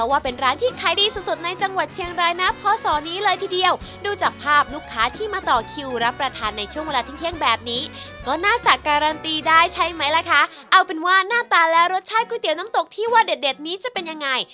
หน้าตาแล้วก็รสชาติก๋วยเตี๋ยวน้ำตกที่ว่าเด็ดนี้จะเป็นยังไง